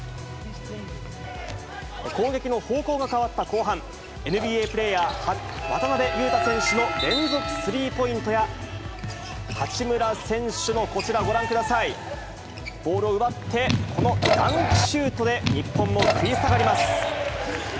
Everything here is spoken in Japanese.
攻撃の方向が変わった後半、ＮＢＡプレーヤー、渡邊雄太選手の連続スリーポイントや、八村選手のこちらご覧ください、ボールを奪って、このダンクシュートで、日本も食い下がります。